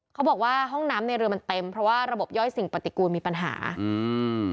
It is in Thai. เขาบอกว่าห้องน้ำในเรือมันเต็มเพราะว่าระบบย่อยสิ่งปฏิกูลมีปัญหาอืม